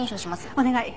お願い。